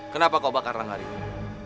kenapa kau bakar langgar itu